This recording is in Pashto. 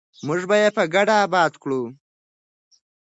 موږ به یې په ګډه اباد کړو.